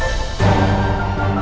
tidak ada waktu